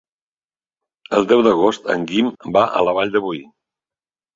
El deu d'agost en Guim va a la Vall de Boí.